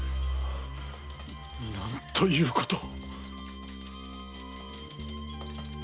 何ということを！